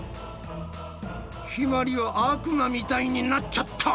ひまりは悪魔みたいになっちゃった！